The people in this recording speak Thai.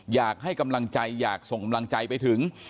อยากให้กำลังใจอยากส่งกำลังใจไปถึง